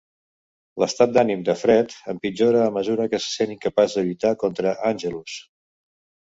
L'estat d'ànim de Fred empitjora a mesura que se sent incapaç de lluitar contra Angelus.